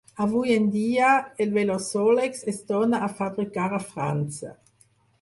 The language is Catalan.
Avui en dia, el Velosolex es torna a fabricar a França.